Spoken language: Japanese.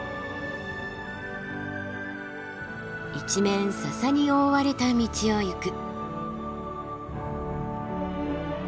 一面ササに覆われた道を行く。